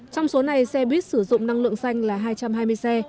trong số này xe buýt sử dụng năng lượng xanh là hai trăm hai mươi xe